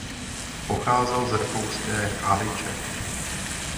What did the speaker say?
Pocházel z rakouské Haliče.